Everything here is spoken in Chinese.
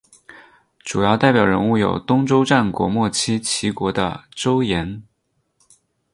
主要代表人物有东周战国末期齐国的邹衍。